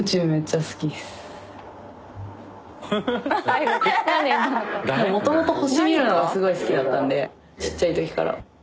でももともと星見るのがすごい好きだったんでちっちゃいときから。